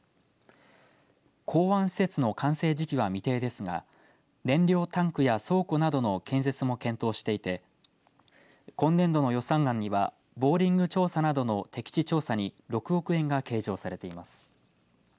港湾施設の完成時期は未定ですが燃料タンクや倉庫などの建設も検討していて今年度の予算案にはボーリング調査などの適地調査に６億円が計上されています。